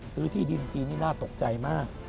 ที่ดินทีนี่น่าตกใจมาก